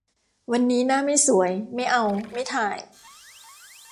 วันนี้หน้าไม่สวย ไม่เอา ไม่ถ่าย